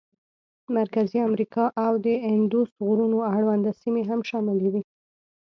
مرکزي امریکا او د اندوس غرونو اړونده سیمې هم شاملې دي.